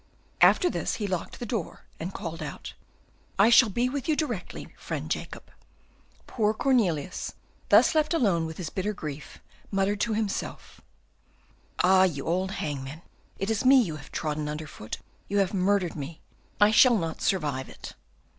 After this he locked the door and called out: "I shall be with you directly, friend Jacob." Poor Cornelius, thus left alone with his bitter grief, muttered to himself, "Ah, you old hangman! it is me you have trodden under foot; you have murdered me; I shall not survive it."